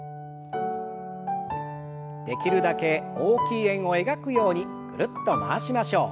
できるだけ大きい円を描くようにぐるっと回しましょう。